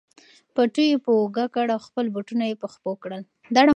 پټو یې په اوږه کړ او خپل بوټونه یې په پښو کړل.